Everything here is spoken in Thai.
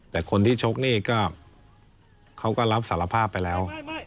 แต่คนที่ชกนี่ก็เขาก็รับสารภาพไปแล้ว